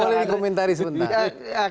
tidak boleh dikomentari sebentar